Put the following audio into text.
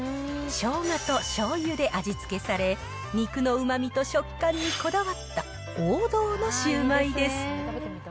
ショウガとしょうゆで味付けされ、肉のうまみと食感にこだわった王道のシュウマイです。